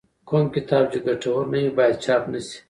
کوم کتاب چې ګټور نه وي باید چاپ نه شي.